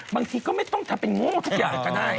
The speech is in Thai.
บางทีก็ไม่ต้องทำเป็นโง่ทุกอย่างก็ได้